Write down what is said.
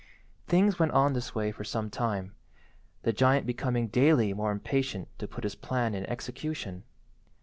"Things went on this way for some time, the giant becoming daily more impatient to put his plan in execution.